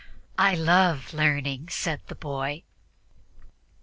"I love learning," said the boy.